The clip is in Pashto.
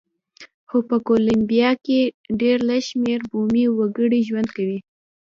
خو په کولمبیا کې ډېر لږ شمېر بومي وګړي ژوند کوي.